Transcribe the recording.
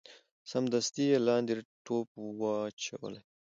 سمدستي یې لاندي ټوپ وو اچولی